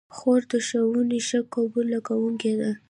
خور د ښوونو ښه قبوله کوونکې ده.